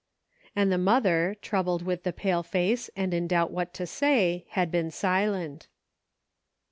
And the mother, troubled with the pale face and in doubt what to say, had been silent.